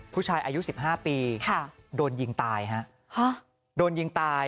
ผู้ชายอายุสิบห้าปีค่ะโดนยิงตายฮะฮะโดนยิงตาย